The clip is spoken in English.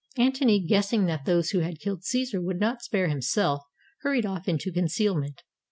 Antony, guessing that those who had killed Caesar would not spare himself, hurried off into concealment.